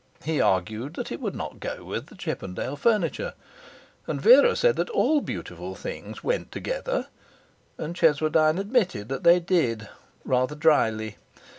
He argued that it would not 'go' with the Chippendale furniture, and Vera said that all beautiful things 'went' together, and Cheswardine admitted that they did, rather dryly.